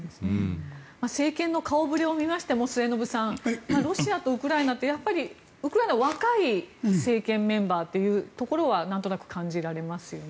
政権の顔触れを見ましても末延さん、ロシアとウクライナウクライナは若い政権メンバーというところはなんとなく感じられますよね。